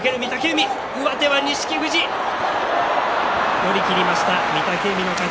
寄り切りました御嶽海の勝ち。